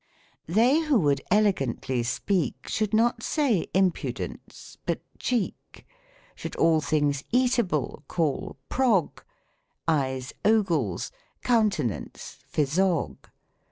They who would elegantly speak Should not say "impudence," but "cheek;" Should all things eatable call " prog;" Eyes "ogles," countenance " phisog."